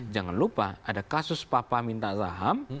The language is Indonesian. jangan lupa ada kasus papa minta saham